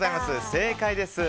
正解です。